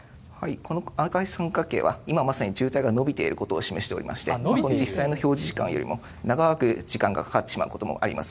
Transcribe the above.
この赤い三角形は、今まさに渋滞が延びていることを示しておりまして、実際の表示時間よりも、長く時間がかかってしまうこともあります。